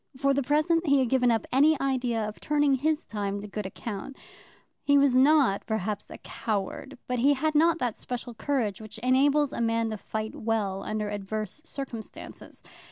For the present, he had given up any idea of turning his time to good account. He was not perhaps a coward, but he had not that special courage which enables a man to fight well under adverse circumstances.